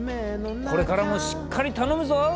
これからもしっかり頼むぞ！